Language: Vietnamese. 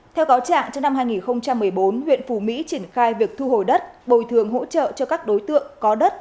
theo cáo trạng trong năm hai nghìn một mươi bốn huyện phù mỹ triển khai việc thu hồi đất bồi thường hỗ trợ cho các đối tượng có đất